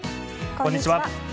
こんにちは。